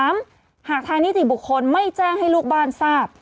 หากทางนิติบุคคลไม่แจ้งให้ลูกบ้านทราบ